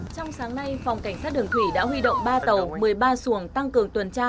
trong sáng nay phòng cảnh sát đường thủy đã huy động ba tàu một mươi ba xuồng tăng cường tuần tra